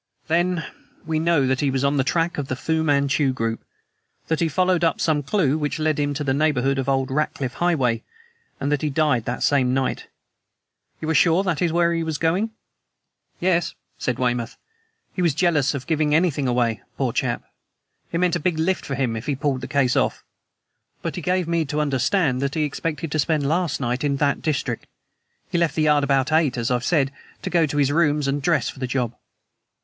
"Then, we know that he was on the track of the Fu Manchu group, that he followed up some clew which led him to the neighborhood of old Ratcliff Highway, and that he died the same night. You are sure that is where he was going?" "Yes," said Weymouth; "He was jealous of giving anything away, poor chap; it meant a big lift for him if he pulled the case off. But he gave me to understand that he expected to spend last night in that district. He left the Yard about eight, as I've said, to go to his rooms, and dress for the job."